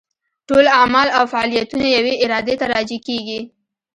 ټول اعمال او فاعلیتونه یوې ارادې ته راجع کېږي.